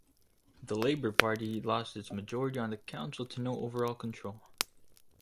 The Labour party lost its majority on the council to no overall control.